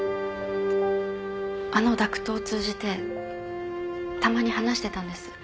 あのダクトを通じてたまに話してたんです。